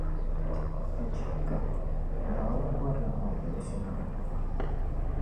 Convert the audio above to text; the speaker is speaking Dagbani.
Achiika! Naawuni bɔrila aadalsinima.